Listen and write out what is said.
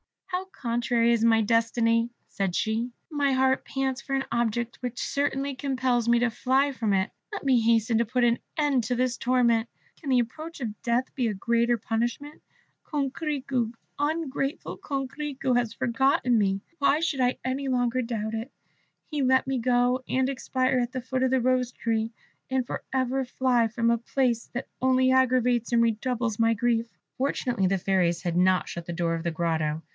"How contrary is my destiny!" said she. "My heart pants for an object which certainly compels me to fly from it. Let me hasten to put an end to this torment. Can the approach of death be a greater punishment? Coquerico, ungrateful Coquerico, has forgotten me. Why should I any longer doubt it? Let me go and expire at the foot of the Rose tree, and for ever fly from a place that only aggravates and redoubles my grief." Fortunately the fairies had not shut the door of the grotto.